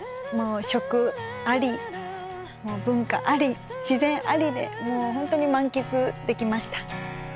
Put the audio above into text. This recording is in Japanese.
食あり文化あり自然ありでホントに満喫できました。